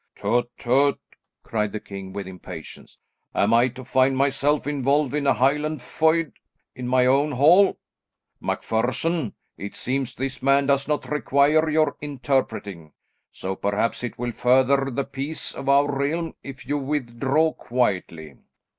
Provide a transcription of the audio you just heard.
"Tut, tut," cried the king with impatience, "am I to find myself involved in a Highland feud in my own hall? MacPherson, it seems this man does not require your interpreting, so perhaps it will further the peace of our realm if you withdraw quietly."